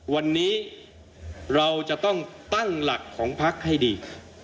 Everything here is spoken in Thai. วันนี้เราจะต้องตั้งหลักของพักให้ดี